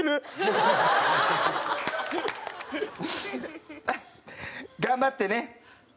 うっ頑張ってね。